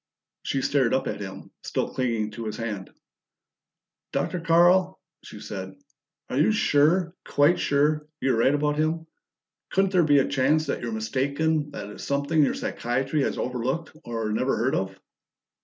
She stared up at him, still clinging to his hand. "Dr. Carl," she said, "are you sure quite sure you're right about him? Couldn't there be a chance that you're mistaken that it's something your psychiatry has overlooked or never heard of?"